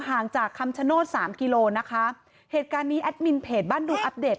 ห่างจากคำชโนธสามกิโลนะคะเหตุการณ์นี้แอดมินเพจบ้านดูอัปเดต